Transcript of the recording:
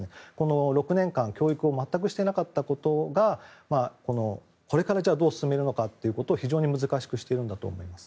６年間、教育を全くしていなかったことがこれからじゃあどう進めるのかということを非常に難しくしているんだと思います。